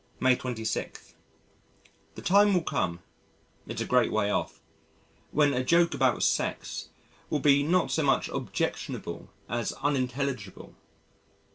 May 26. The time will come it's a great way off when a joke about sex will be not so much objectionable as unintelligible.